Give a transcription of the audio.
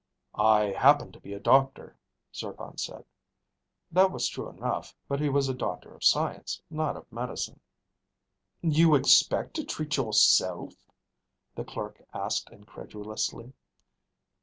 "I happen to be a doctor," Zircon said. That was true enough, but he was a doctor of science, not of medicine. "You expect to treat yourself?" the clerk asked incredulously.